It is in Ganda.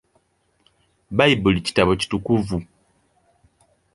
Bbayibuli kitabo kitukuvu.